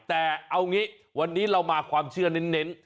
แต่เอางี้วันนี้เรามาความเชื่อเน้น